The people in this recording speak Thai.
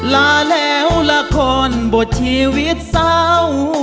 ลาแล้วละครบทชีวิตเศร้า